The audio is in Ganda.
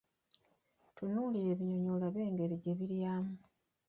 Tunuulira ebinnyonyi olabe engeri gye biryamu.